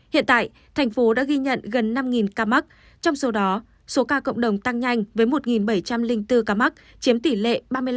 hiện tại thành phố đã ghi nhận gần năm ca mắc trong số đó số ca cộng đồng tăng nhanh với một bảy trăm linh bốn ca mắc chiếm tỷ lệ ba mươi năm